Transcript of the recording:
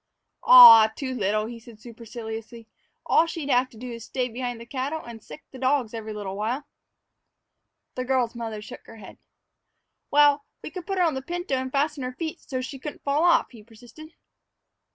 "Ah, too little," he said superciliously. "All she'd have to do is stay behind the cattle and sick the dogs every little while." The little girl's mother shook her head. "Well, we could put her on the pinto and fasten her feet so's she couldn't fall off," he persisted.